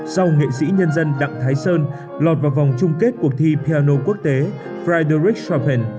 sau nghệ sĩ nhân dân đặng thái sơn lọt vào vòng chung kết cuộc thi piano quốc tế friedrich scharpen